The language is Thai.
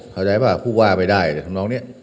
เข้าใจป่ะผู้ว่าไปได้แต่ทำน้องเนี่ย